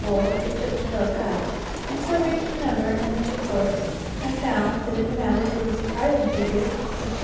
81 IN FIELD AND WOOD full it took to fill a cup, and so reached the number in the two quarts, and found that it amounted to the surprising figure of 250,000.